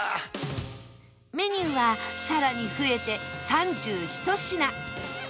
メニューはさらに増えて３１品